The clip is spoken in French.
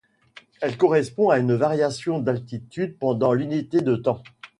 Elle correspond à une variation d'altitude pendant l'unité de temps.